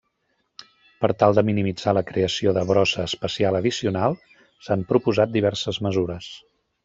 Per tal de minimitzar la creació de brossa espacial addicional, s'han proposat diverses mesures.